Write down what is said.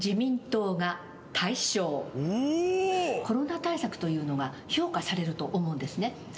「コロナ対策というのが評価されると思うんですね」